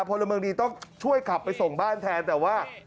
พลเมืองดีต้องช่วยขับไปส่งบ้านแทนแต่ว่า